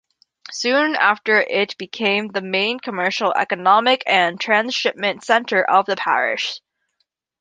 Soon after it became the main commercial, economic and transshipment centre of the parish.